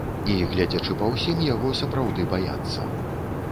І, гледзячы па ўсім, яго сапраўды баяцца.